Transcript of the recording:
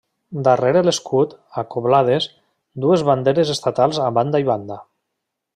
Darrere l'escut, acoblades, dues banderes estatals a banda i banda.